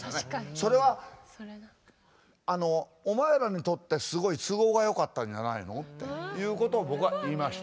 「それはお前らにとってすごい都合がよかったんじゃないの？」っていうことを僕は言いました。